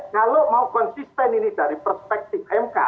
kalau mau konsisten ini dari perspektif mk